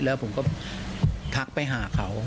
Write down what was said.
แล้วผมก็ทักไปหาเขา